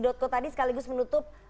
dotko tadi sekaligus menutup